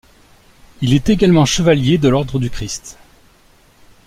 Il est également Chevalier de l'Ordre du Christ.